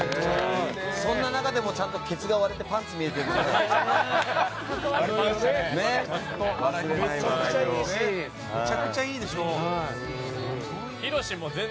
そんな中でもちゃんとケツが割れてパンツ見えてるっていうね。